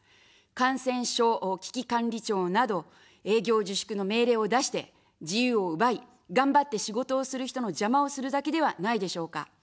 感染症危機管理庁など、営業自粛の命令を出して、自由を奪い、頑張って仕事をする人の邪魔をするだけではないでしょうか。